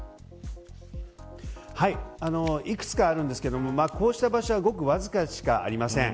幾つか、あるんですけれどもこうした場所はごくわずかしかありません。